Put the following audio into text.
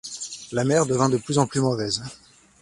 La mer devint de plus en plus mauvaise.